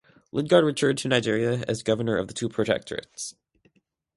Lugard returned to Nigeria as Governor of the two protectorates.